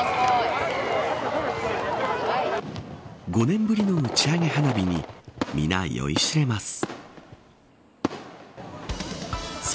５年ぶりの打ち上げ花火に皆、酔いしれます。